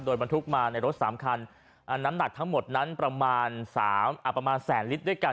โดยบรรทุกมาในรถสามคันน้ำหนักทั้งหมดนั้นประมาณสามอ่าประมาณแสนลิตรด้วยกัน